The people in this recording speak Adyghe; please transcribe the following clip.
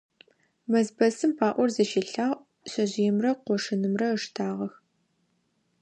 Мэзпэсым паӀор зыщилъагъ, шъэжъыемрэ къошынымрэ ыштагъэх.